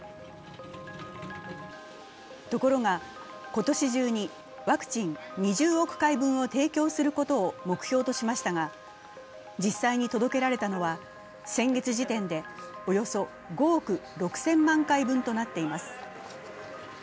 ところが今年中に、ワクチン２０億回分を提供することを目標としましたが、実際に届けられたのは先月時点でおよそ５億６０００万回分となっています。